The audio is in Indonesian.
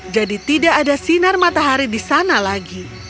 jadi tidak ada sinar matahari di sana lagi